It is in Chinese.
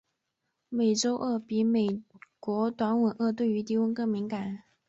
美洲鳄比美国短吻鳄对于低温更敏感。